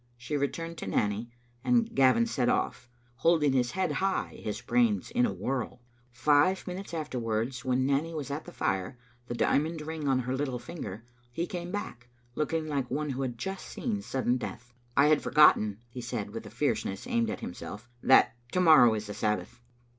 She returned to Nanny, and Gavin set off, holding his head high, his brain in a whirl. Five minutes after wards, when Nanny was at the fire, the diamond ring on her little finger, he came back, looking like one who had just seen sudden death. " I had forgotten," he said, with a fierceness aimed at himself, "that to morrow is the Sabbath."